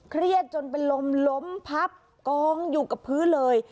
เครียดจนเป็นลมล้มพับกองอยู่กับพื้นเลย